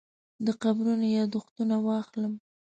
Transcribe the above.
د قبرونو یاداښتونه واخلم.